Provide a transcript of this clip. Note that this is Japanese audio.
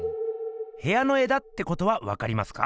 へやの絵だってことはわかりますか？